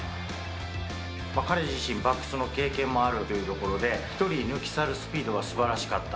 彼自身、バックスの経験もあるというところで、１人抜き去るスピードがすばらしかった。